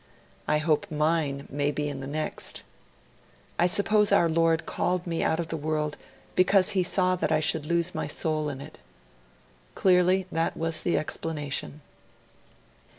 I hope mine may be in the next. I suppose our Lord called me out of the world because He saw that I should lose my soul in it.' Clearly, that was the explanation.